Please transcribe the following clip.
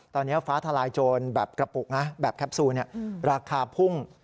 ตอนนี้ฟ้าทลายโจรแบบกระปุกนะแบบแคปซูลราคาพุ่ง